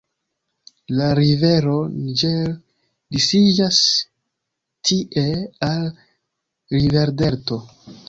La rivero Niger disiĝas tie al riverdelto.